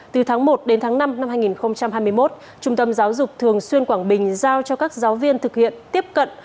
từ tháng một đến tháng năm năm hai nghìn hai mươi một trung tâm giáo dục thường xuyên quảng bình giao cho các giáo viên thực hiện tiếp cận